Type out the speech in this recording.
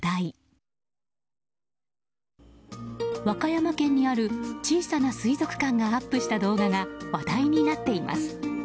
和歌山県にある小さな水族館がアップした動画が話題になっています。